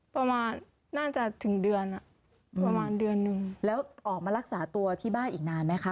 ประมาณน่าจะถึงเดือนอ่ะประมาณเดือนนึงแล้วออกมารักษาตัวที่บ้านอีกนานไหมคะ